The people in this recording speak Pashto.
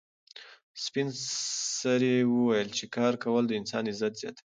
سپین سرې وویل چې کار کول د انسان عزت زیاتوي.